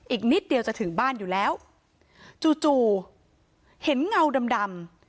อีกนิดเดียวจะถึงบ้านอยู่แล้วจู่จู่เห็นเงาดำดำ